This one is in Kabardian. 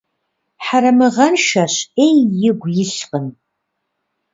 Хьэрэмыгъэншэщ, Ӏей игу илъкъым.